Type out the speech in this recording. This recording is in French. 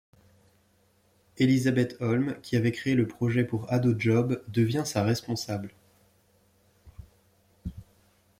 Elisabeth Holm, qui avait créé le projet pour Ados Job, devient sa responsable.